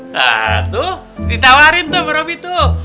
nah tuh ditawarin tuh sama robby tuh